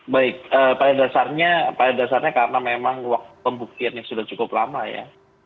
baik pada dasarnya karena memang waktu pembuktiannya sudah cukup lama ya